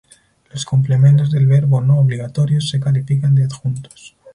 Los complementos del verbo no obligatorios se califican de adjuntos.